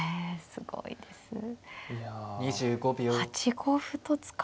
すごいですよね。